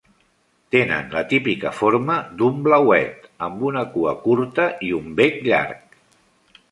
Tenen la típica forma d"un blauet, amb una cua curta i un bec llarg.